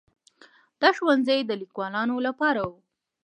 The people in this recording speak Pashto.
دا ښوونځي د لیکوالانو لپاره وو.